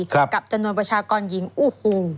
กับจนวนประชากรหญิงอู้หู